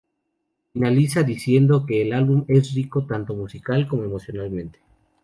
Finaliza diciendo que el álbum es rico tanto musical como emocionalmente.